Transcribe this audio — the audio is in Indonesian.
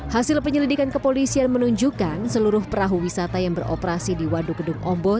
hasil penyelidikan kepolisian menunjukkan seluruh perahu wisata yang beroperasi di waduk gedung ombok